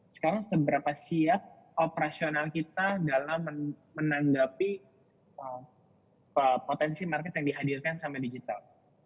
sekarang seberapa siap operasional kita dalam menanggapi potensi market yang dihadirkan sama digital